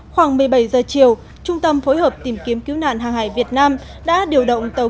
khoảng một mươi bảy giờ chiều trung tâm phối hợp tìm kiếm cứu nạn hàng hải việt nam đã điều động tàu